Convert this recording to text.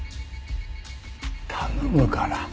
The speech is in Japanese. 頼むから。